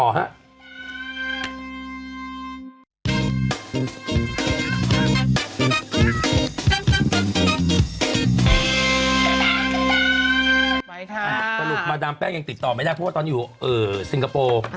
ไปค่ะสรุปมาดามแป้งยังติดต่อไม่ได้เพราะว่าตอนอยู่ซิงคโปร์